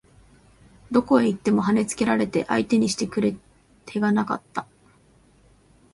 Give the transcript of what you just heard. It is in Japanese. どこへ行っても跳ね付けられて相手にしてくれ手がなかった